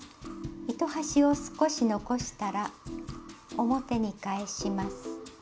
糸端を少し残したら表に返します。